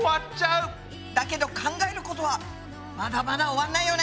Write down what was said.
だけど考えることはまだまだ終わんないよね！